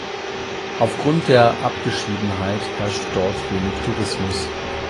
Aufgrund der Abgeschiedenheit herrscht dort wenig Tourismus.